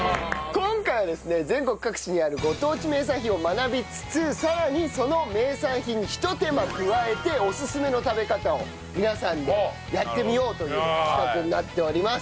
今回はですね全国各地にあるご当地名産品を学びつつさらにその名産品にひと手間加えておすすめの食べ方を皆さんでやってみようという企画になっております。